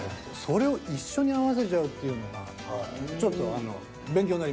それを一緒に合わせちゃうっていうのがちょっとあのおおっ。